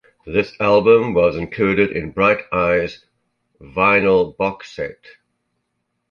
This album was included in Bright Eyes' "Vinyl Box Set".